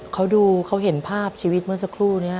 เขาดูเขาเห็นภาพชีวิตเมื่อสักครู่นี้